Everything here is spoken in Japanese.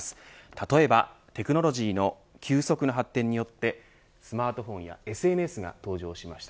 例えば、テクノロジーの急速な発展によってスマートフォンやＳＮＳが登場しました。